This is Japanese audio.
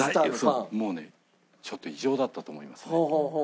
もうねちょっと異常だったと思いますね。